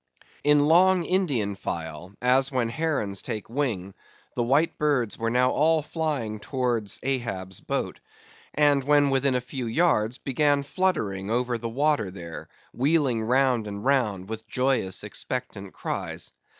In long Indian file, as when herons take wing, the white birds were now all flying towards Ahab's boat; and when within a few yards began fluttering over the water there, wheeling round and round, with joyous, expectant cries.